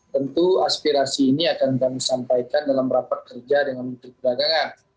tentu aspirasi ini akan kami sampaikan dalam rapat kerja dengan menteri perdagangan